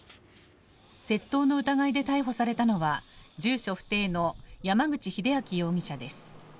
窃盗の疑いで逮捕されたのは住所不定の山口秀明容疑者です。